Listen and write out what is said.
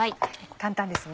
簡単ですね。